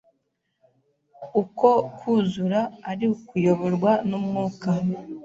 'uko kwuzura ari ukuyoborwa n’Umwuka